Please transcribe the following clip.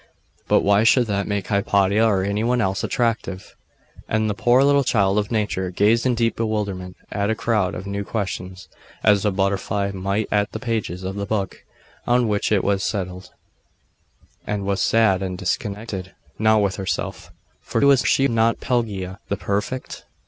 But why should that make Hypatia or any one else attractive? And the poor little child of nature gazed in deep bewilderment at a crowd of new questions, as a butterfly might at the pages of the book on which it has settled, and was sad and discontented not with herself, for was she not Pelagia the perfect?